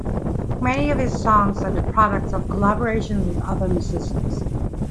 Many of his songs are the products of collaborations with other musicians.